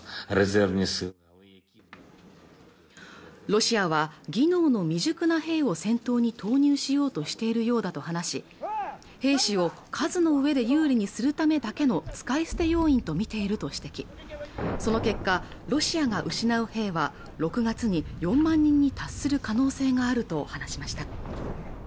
ロシアは技能の未熟な兵を戦闘に投入しようとしているようだと話し兵士を数の上で有利にするためだけの使い捨て要員と見ていると指摘その結果ロシアが失う兵は６月に４万人に達する可能性があると話しました